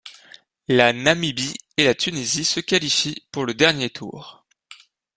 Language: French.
La Namibie et la Tunisie se qualifient pour le dernier tour.